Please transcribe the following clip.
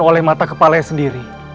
oleh mata kepalanya sendiri